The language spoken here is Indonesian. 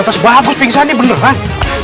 batas bagus pingsan nih beneran